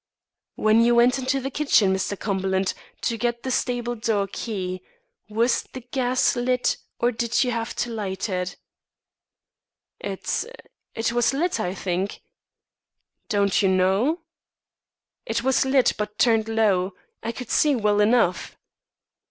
"When you went into the kitchen, Mr. Cumberland, to get the stable door key, was the gas lit, or did you have to light it?" "It it was lit, I think." "Don't you know?" "It was lit, but turned low. I could see well enough."